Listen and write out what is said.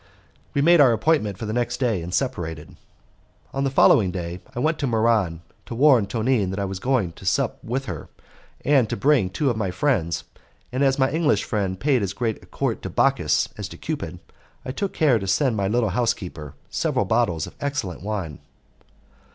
We made our appointment for the next day, and separated. On the following morning I went to Muran to warn Tonine that I was going to sup with her, and to bring two of my friends; and as my English friend paid as great court to Bacchus as to Cupid, I took care to send my little housekeeper several bottles of excellent wine.